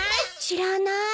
知らない。